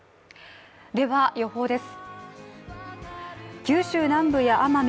では予報です。